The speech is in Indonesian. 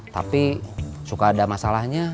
tapi suka ada masalahnya